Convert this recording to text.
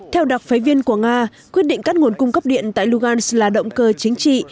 theo đặc phái viên của nga quyết định cắt nguồn cung cấp điện tại lugan là động cơ chính trị